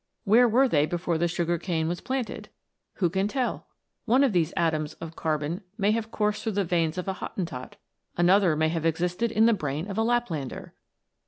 Where were they before the sugar cane was planted 1 Who can tell 1 One of these atoms of carbon may have coursed through the veins of a Hottentot, another may have existed in the brain of a Laplander